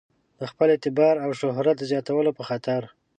د خپل اعتبار او شهرت د زیاتولو په خاطر.